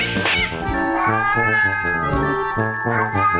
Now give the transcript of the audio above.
สวัสดีค่ะ